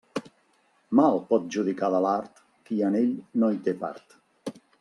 Mal pot judicar de l'art, qui en ell no hi té part.